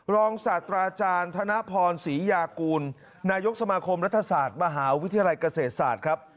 ศาสตราอาจารย์ธนพรศรียากูลนายกสมาคมรัฐศาสตร์มหาวิทยาลัยเกษตรศาสตร์ครับ